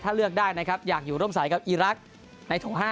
ถ้าเลือกได้นะครับอยากอยู่ร่วมสายกับอีรักษ์ในถุง๕